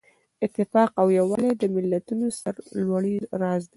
اتفاق او یووالی د ملتونو د سرلوړۍ راز دی.